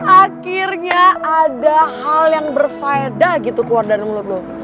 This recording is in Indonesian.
akhirnya ada hal yang berfaeda gitu keluar dari mulut tuh